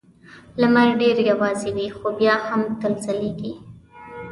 لمر ډېر یوازې وي خو بیا هم تل ځلېږي.